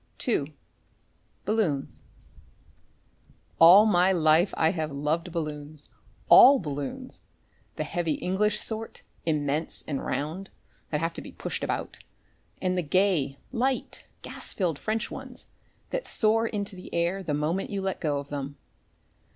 II: BALLOONS All my life I have loved balloons all balloons the heavy English sort, immense and round, that have to be pushed about, and the gay, light, gas filled French ones that soar into the air the moment you let go of them.